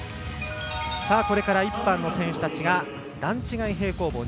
これから１班の選手たちが段違い平行棒